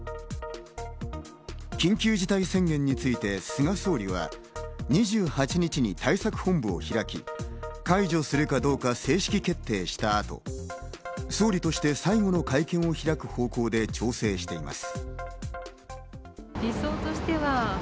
緊急事態宣言について菅総理は２８日に対策本部を開き、解除するかどうか、正式決定した後、総理として最後の会見を開く方向で調整しています。